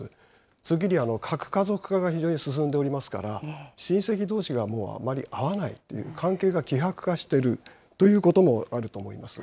次に、核家族化が非常に進んでおりますから、親戚どうしがもうあまり会わないっていう、関係が希薄化しているということもあると思います。